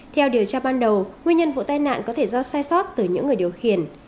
theo điều tra ban đầu nguyên nhân vụ tai nạn có thể do sai sót từ những người điều khiển